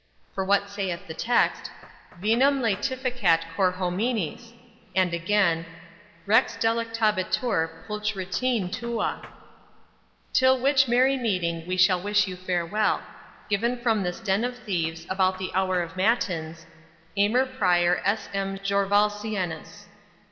For what saith the text, 'Vinum laetificat cor hominis'; and again, 'Rex delectabitur pulchritudine tua'. "Till which merry meeting, we wish you farewell. Given from this den of thieves, about the hour of matins, "Aymer Pr. S. M. Jorvolciencis.